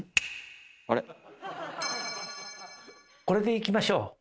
これでいきましょう。